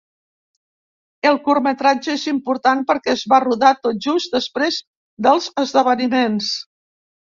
El curtmetratge és important perquè es va rodar tot just després dels esdeveniments.